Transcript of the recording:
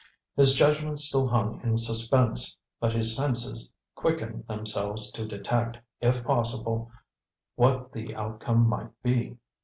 His judgment still hung in suspense, but his senses quickened themselves to detect, if possible, what the outcome might be.